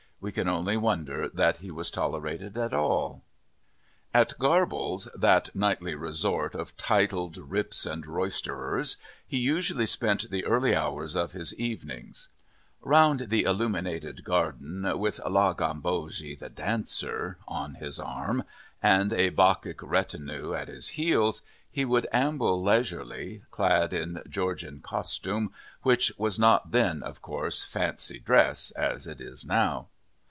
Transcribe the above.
" We can only wonder that he was tolerated at all. [Footnote 2: Contemporary Bucks, vol. i, page 73.] At Garble's, that nightly resort of titled rips and roysterers, he usually spent the early hours of his evenings. Round the illuminated garden, with La Gambogi, the dancer, on his arm, and a Bacchic retinue at his heels, he would amble leisurely, clad in Georgian costume, which was not then, of course, fancy dress, as it is now.